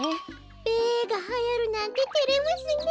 べがはやるなんててれますねえ。